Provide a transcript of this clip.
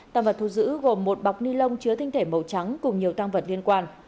tăng vật thu giữ gồm một bọc ni lông chứa tinh thể màu trắng cùng nhiều tăng vật liên quan